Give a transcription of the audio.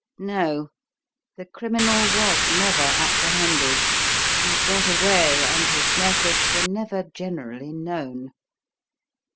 No, the criminal was never apprehended. He got away, and his methods were never generally known.